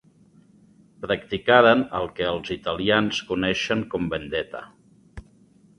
Practicaren el que els italians coneixen com vendetta.